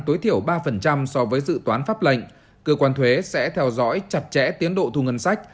tối thiểu ba so với dự toán pháp lệnh cơ quan thuế sẽ theo dõi chặt chẽ tiến độ thu ngân sách